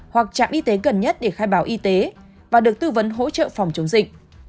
hoặc trạm y tế gần nhất để khai báo y tế và được tư vấn hỗ trợ phòng chống dịch